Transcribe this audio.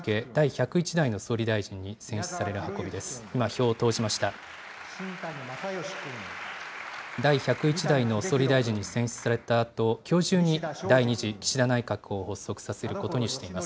第１０１代の総理大臣に選出されたあと、きょう中に第２次岸田内閣を発足させることにしています。